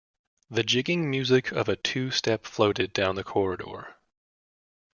The jigging music of a two-step floated down the corridor.